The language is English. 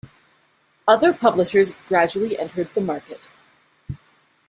Other publishers gradually entered the market.